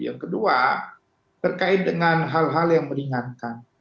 yang kedua terkait dengan hal hal yang meringankan